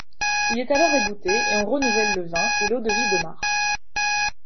Il est alors égoutté et on renouvelle le vin et l'eau-de-vie de marc.